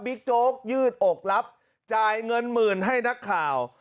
โจ๊กยืดอกรับจ่ายเงินหมื่นให้นักข่าว